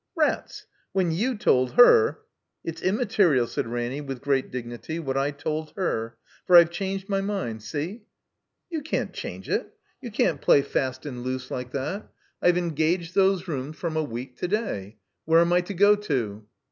"Rats! When you told her— '' 189 THE COMBINED MAZE It's immaterial," said Ramiy, with great dignity, what I told her. For I've changed my mind. See?" "You can't change it. You can't play fast and loose like that. I've engaged those rooms from a week to day. Where am I to go to